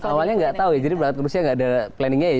awalnya nggak tahu ya jadi menurut rusia nggak ada planningnya ya